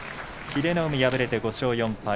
英乃海敗れて５勝４敗。